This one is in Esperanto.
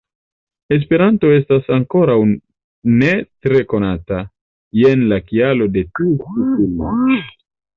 Esperanto estas ankoraŭ ne tre konata, jen la kialo de tiu ĉi filmo.